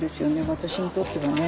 私にとってはね。